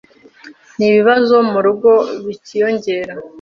n’ibibazo mu rugo bikiyongera